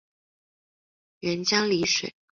沅江澧水